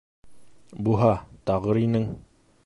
Буһа, тағыр инең!